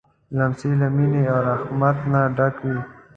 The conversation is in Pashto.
لمسی له مینې او رحمت نه ډک وي.